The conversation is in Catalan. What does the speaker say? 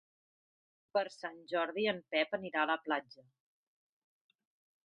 Per Sant Jordi en Pep anirà a la platja.